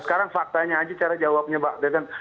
sekarang faktanya aja cara jawabnya pak teten